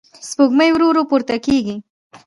سپوږمۍ ورو ورو پورته کېږي.